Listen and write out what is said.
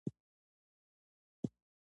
استخاره کله کوو؟